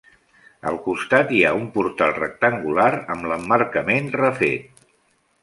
Al costat hi ha un portal rectangular amb l'emmarcament refet.